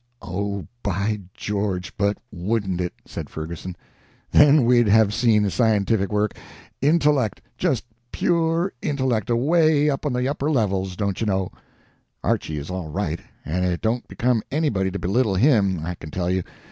"Oh, by George, but wouldn't it!" said Ferguson. "Then we'd have seen scientific work. Intellect just pure intellect away up on the upper levels, dontchuknow. Archy is all right, and it don't become anybody to belittle him, I can tell you.